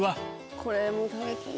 これも食べたい。